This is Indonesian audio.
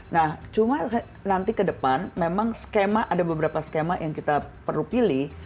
nah cuma nanti kedepan memang skema ada beberapa skema yang kita perlu pilih